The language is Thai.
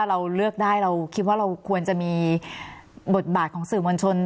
เราเลือกได้เราคิดว่าเราควรจะมีบทบาทของสื่อมวลชน